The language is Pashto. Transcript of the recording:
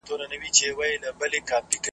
ما به وینې ما به اورې زه به ستا مینه تنها یم .